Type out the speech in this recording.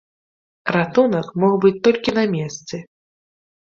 Ратунак мог быць толькі на месцы.